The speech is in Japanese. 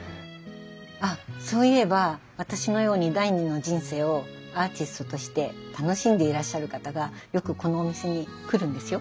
あっそういえば私のように第２の人生をアーティストとして楽しんでいらっしゃる方がよくこのお店に来るんですよ。